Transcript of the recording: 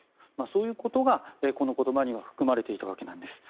そういうことがこの言葉には含まれていたわけなんです。